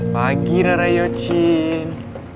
pagi rara yucin